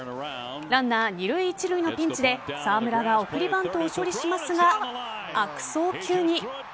ランナー二塁・一塁のピンチで澤村が送りバントを処理しますが悪送球に。